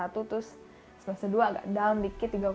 terus semester dua agak down dikit tiga puluh